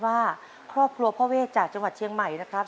ว่าครอบครัวพ่อเวทจากจังหวัดเชียงใหม่นะครับ